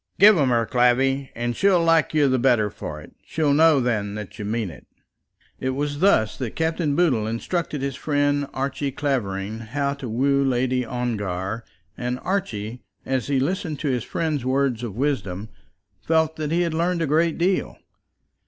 "Give 'em her, Clavvy, and she'll like you the better for it. She'll know then that you mean it." It was thus that Captain Boodle instructed his friend Archie Clavering how to woo Lady Ongar; and Archie, as he listened to his friend's words of wisdom, felt that he had learned a great deal.